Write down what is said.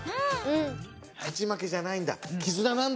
勝ち負けじゃないんだ。